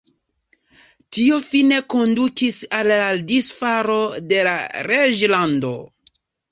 Tio fine kondukis al la disfalo de la reĝlando.